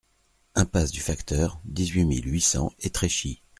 Impasse du Facteur, dix-huit mille huit cents Étréchy